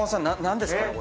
何ですかね？